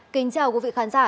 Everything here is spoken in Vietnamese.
kính chào quý vị khán giả